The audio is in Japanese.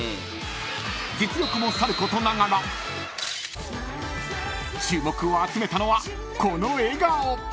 ［実力もさることながら注目を集めたのはこの笑顔］